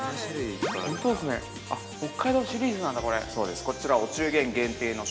北海道シリーズなんだ、これ。